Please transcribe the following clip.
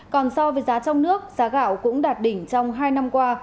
còn so với giá trong nước giá gạo cũng đạt đỉnh trong hai năm qua